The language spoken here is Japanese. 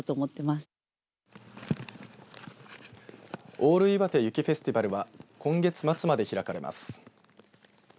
ＡＬＬいわて雪フェスティバルは今月末まで開かれます。